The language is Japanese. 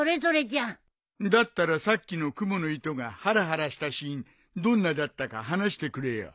だったらさっきのクモの糸がハラハラしたシーンどんなだったか話してくれよ。